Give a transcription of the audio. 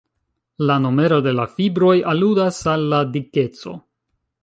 La numero de la fibroj aludas al la dikeco.